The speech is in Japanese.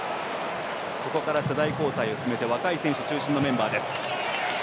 ここから世代交代を進めて若い選手中心のメンバーです。